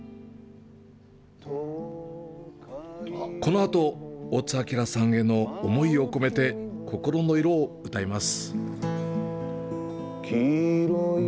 このあと、大津あきらさんへの思いを込めて「心の色」を歌います。